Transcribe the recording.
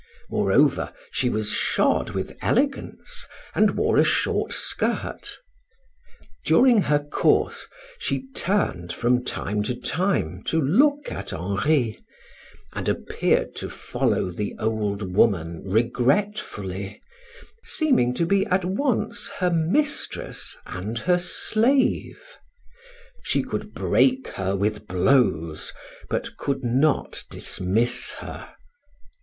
Moreover, she was shod with elegance, and wore a short skirt. During her course she turned from time to time to look at Henri, and appeared to follow the old woman regretfully, seeming to be at once her mistress and her slave; she could break her with blows, but could not dismiss her.